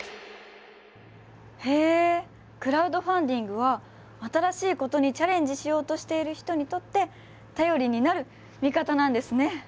へえクラウドファンディングは新しいことにチャレンジしようとしている人にとって頼りになる味方なんですね。